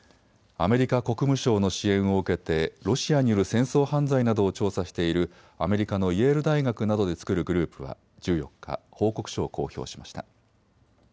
アメリカ国務省の支援を受けてロシアによる戦争犯罪などを調査しているアメリカのイェール大学などで作るグループは１４日、報告書を公表しました。